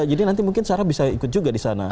jadi nanti mungkin sarah bisa ikut juga di sana